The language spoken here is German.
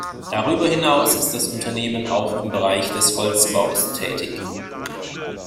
Darüber hinaus ist das Unternehmen auch im Bereich des Holzbaus tätig.